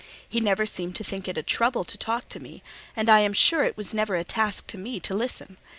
He never seemed to think it a trouble to talk to me, and, I am sure, it was never a task to me to listen.